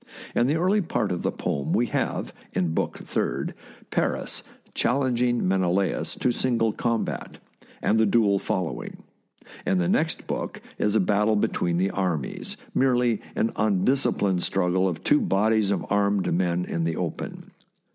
In the early part of the poem we have, in Book Third, Paris challenging Menelaus to single com bat, and the duel following; in the next book is a battle between the armies, merely an undisciplined struggle of two bodies of armed men in the open.